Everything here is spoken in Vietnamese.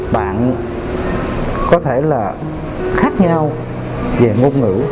bạn có thể là khác nhau về ngôn ngữ